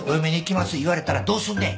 言われたらどうすんねん？